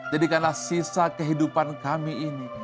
jadikanlah sisa kehidupan kami ini